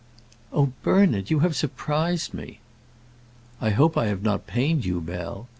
"Oh, Bernard! you have surprised me." "I hope I have not pained you, Bell.